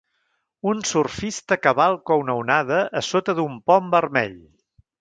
Un surfista cavalca una onada a sota d'un pont vermell.